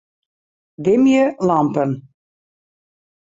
Dimje lampen.